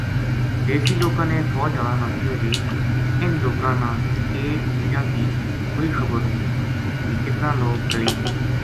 دیسی لوکاں نے فوج ہالاں نا کہیو جے انھ لوکاں نا ایک دوجاں کی کوئی خبر نیہہ جے کتنا لوک گلی